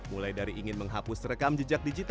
mulai dari ingin menghapus rekam jejak digital